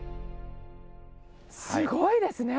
すごいですね。